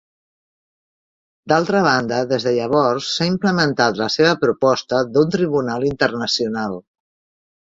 D'altra banda, des de llavors s'ha implementat la seva proposta d'un tribunal internacional.